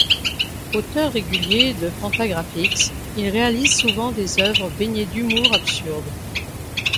Auteur régulier de Fantagraphics, il réalise souvent des œuvres baignées d'humour absurde.